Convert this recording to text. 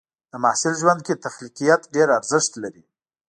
د محصل ژوند کې تخلیقيت ډېر ارزښت لري.